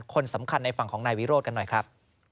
คนสำคัญในฝั่งของนายวิโรธกันหน่อยครับ